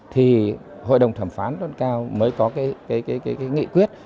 thì hội đồng thẩm phán tôn cao mới có cái nghị quyết